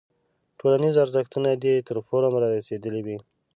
ټولنیز ارزښتونه دې تر فورم رارسېدلی وي.